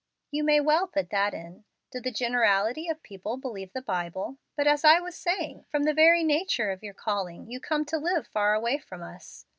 "You may well put that in. Do the generality of people believe the Bible? But as I was saying, from the very nature of your calling you come to live far away from us.